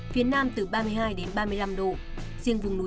riêng vùng núi phía tây từ ba mươi năm ba mươi bảy độ có nơi trên ba mươi bảy độ